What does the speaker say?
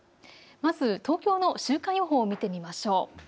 まず東京の週間予報を見てみましょう。